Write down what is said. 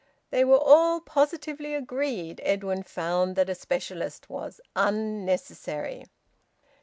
They were all positively agreed, Edwin found, that a specialist was unnecessary.